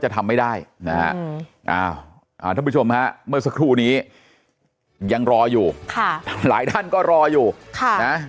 ท่านผู้ชมครับเมื่อสักครู่นี้ยังรออยู่หลายท่านก็รออยู่